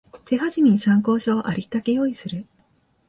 手始めに参考書をありったけ用意する